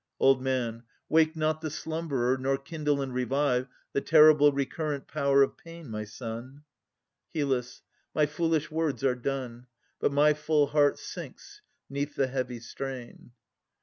OLD M. Wake not the slumberer, Nor kindle and revive The terrible recurrent power of pain, My son! HYL. My foolish words are done, But my full heart sinks 'neath the heavy strain.